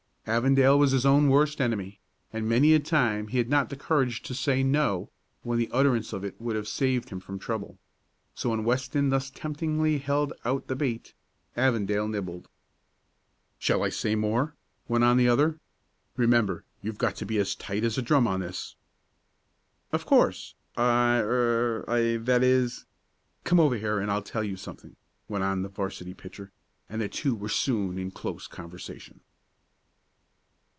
Avondale was his own worst enemy, and many a time he had not the courage to say "no!" when the utterance of it would have saved him from trouble. So when Weston thus temptingly held out the bait, Avondale nibbled. "Shall I say any more?" went on the other. "Remember, you've got to be as tight as a drum on this." "Of course. I er I that is " "Come over here and I'll tell you something," went on the 'varsity pitcher, and the two were soon in close conversation.